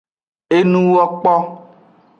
Enuwokpo.